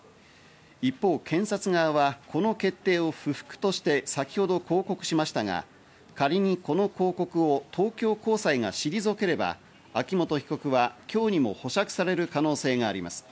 一方、検察側はこの決定を不服として先ほど抗告しましたが、仮に、この抗告を東京高裁がしりぞければ、秋元被告は今日にも保釈される可能性があります。